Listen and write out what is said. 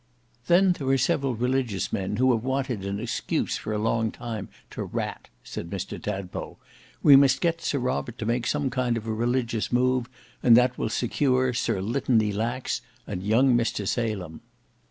"Then there are several religious men who have wanted an excuse for a long time to rat," said Mr Tadpole. "We must get Sir Robert to make some kind of a religious move, and that will secure Sir Litany Lax and young Mr Salem."